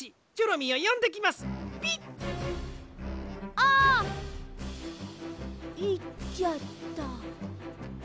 あ！いっちゃった。